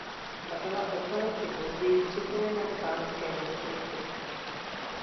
Ta byla o dva roky později připojena k Banské Bystrici.